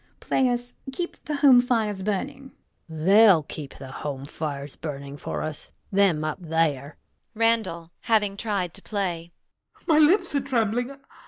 Play us "Keep the home fires burning." NURSE GUINNESS [grimly]. THEY'LL keep the home fires burning for us: them up there. RANDALL [having tried to play]. My lips are trembling.